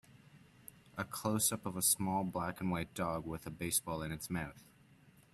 A closeup of a small black and white dog with a baseball in its mouth.